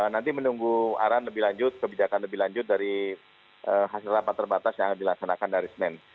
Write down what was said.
nanti menunggu arahan lebih lanjut kebijakan lebih lanjut dari hasil rapat terbatas yang dilaksanakan dari senin